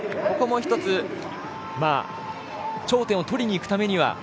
ここも１つ頂点を取りにいくためには。